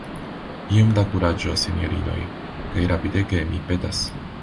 Iom da kuraĝo, sinjorinoj; kaj rapidege, mi petas.